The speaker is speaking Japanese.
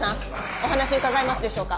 お話伺えますでしょうか？